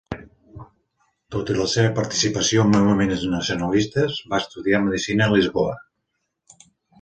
Tot i la seva participació en moviments nacionalistes, va estudiar medicina a Lisboa.